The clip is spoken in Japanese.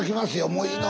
もういいの？